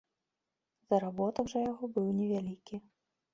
Заработак жа яго быў невялікі.